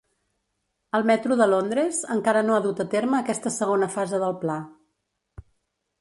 El metro de Londres encara no ha dut a terme aquesta segona fase del pla.